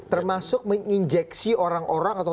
termasuk menginjeksi orang orang atau